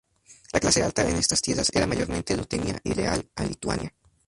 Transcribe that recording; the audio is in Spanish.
La clase alta en estas tierras era mayormente rutenia y leal a Lituania.